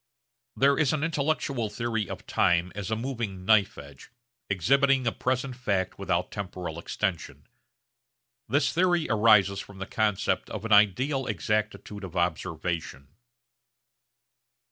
There is an intellectual theory of time as a moving knife edge, exhibiting a present fact without temporal extension. This theory arises from the concept of an ideal exactitude of observation.